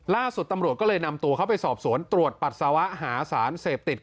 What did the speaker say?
ล่าสุดตำรวจก็เลยนำตัวเขาไปสอบสวนตรวจปัสสาวะหาสารเสพติด